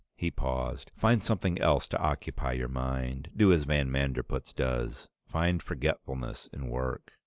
He paused. "Find something else to occupy your mind. Do as van Manderpootz does. Find forgetfulness in work."